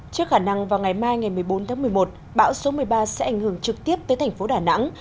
trước khả năng vào ngày mai ngày một mươi bốn tháng một mươi một bão số một mươi ba sẽ ảnh hưởng trực tiếp tới thành phố đà nẵng